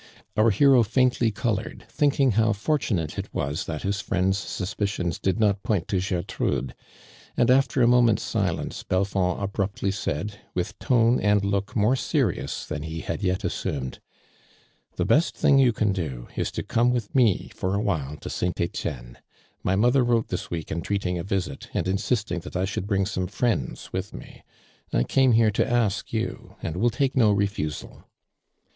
Our hero faintly colored, thinking how fortunate it was that his friend's suspicions did not point to Gertrude, and after a mo ment's silence, Belfond abruptly said, with tone and look more serious than he had yet assumed :" The best thing you can do is to come with me for a while to St. Etienne. l^y mother wrote this week, entreating a visit, and insisting that I should bring some friends with me. I came here to ask you and will take no refusal